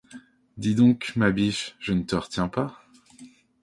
Dis donc, ma biche, je ne te retiens pas.